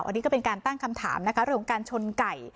อันนี้ก็เป็นการตั้งคำถามนะคะเรื่องของการชนไก่